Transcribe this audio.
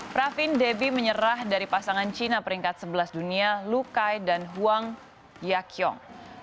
pravin debbie menyerah dari pasangan cina peringkat sebelas dunia lukai dan huang yakyong